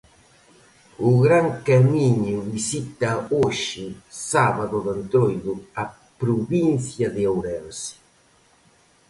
O Gran Camiño visita hoxe, sábado de Entroido, a provincia de Ourense.